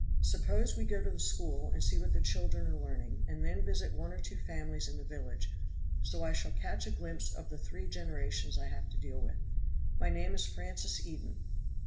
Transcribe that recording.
Suppose we go to the school, and see what the children are learning, and then visit one or two families in the village, so I shall catch a glimpse of the three generations I have to deal with. My name is Francis Eden.